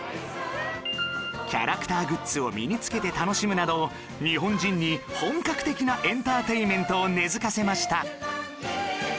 キャラクターグッズを身につけて楽しむなど日本人に本格的なエンターテインメントを根付かせました